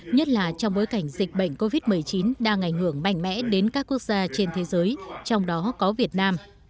nhất là trong bối cảnh dịch bệnh covid một mươi chín đang ảnh hưởng mạnh mẽ đến các quốc gia trên thế giới trong đó có việt nam